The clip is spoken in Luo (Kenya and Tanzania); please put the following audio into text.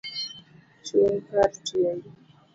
Chungkar tiendi